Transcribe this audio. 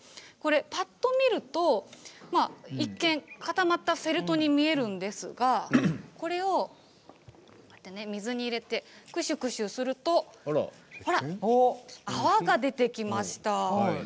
ぱっと見ると一見固まったフェルトに見えるんですが水に入れてくしゅくしゅすると泡が出てきました。